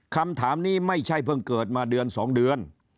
คำถามนี้ไม่ใช่เพิ่งเกิดมาเดือน๒เดือน